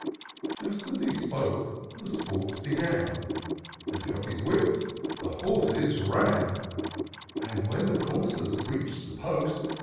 Just as he spoke, the sports began ; The jockeys whipp'd, the horses ran ; And, when the coursers reach'd the post.